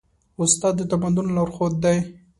استاد د تمدن لارښود دی.